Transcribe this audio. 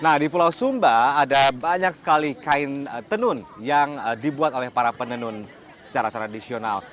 nah di pulau sumba ada banyak sekali kain tenun yang dibuat oleh para penenun secara tradisional